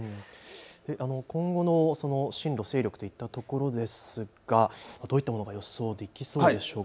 今後の進路、勢力といったところですが、どういったものが予想できそうでしょうか。